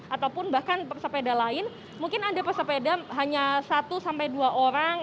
ataupun bahkan pesepeda lain mungkin ada pesepeda hanya satu sampai dua orang